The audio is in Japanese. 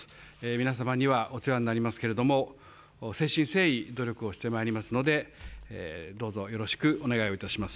皆様には、お世話になりますけれども、誠心誠意、努力をしてまいりますので、どうぞよろしくお願いをいたします。